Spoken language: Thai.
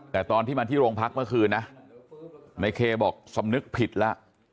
แต่ตอนที่มาที่โรงพักเมื่อคืนนะในเคบอกสำนึกผิดแล้ว